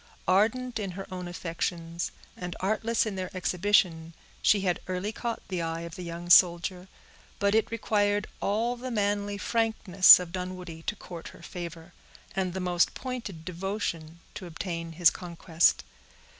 Ardent in her own affections, and artless in their exhibition, she had early caught the eye of the young soldier; but it required all the manly frankness of Dunwoodie to court her favor, and the most pointed devotion to obtain his conquest.